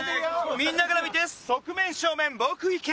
みんなから見て側面正面僕イケメン！